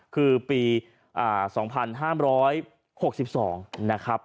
คือปี๒๕๖๒นะครับ